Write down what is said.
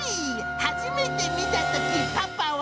初めて見たとき、パパは？